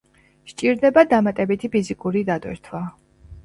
სჭირდება დამატებითი ფიზიკური დატვირთვა.